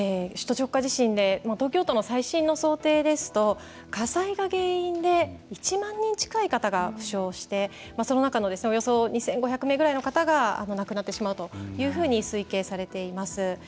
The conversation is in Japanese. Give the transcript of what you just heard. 首都直下地震で東京都の最新の想定ですと火災が原因で１万人近い方が負傷してその中のおよそ２５００名ぐらいの方が亡くなってしまうというふうに推計されています。